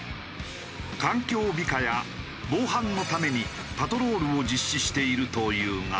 環境美化や防犯のためにパトロールを実施しているというが。